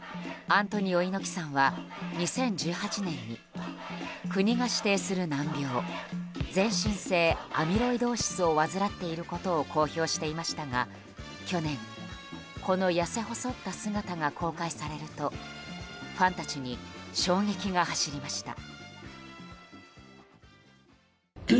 アントニオ猪木さんは２０１８年に国が指定する難病全身性アミロイドーシスを患っていることを公表していましたが去年、この痩せ細った姿が公開されるとファンたちに衝撃が走りました。